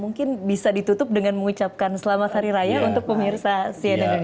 mungkin bisa ditutup dengan mengucapkan selamat hari raya untuk pemirsa cnn indonesia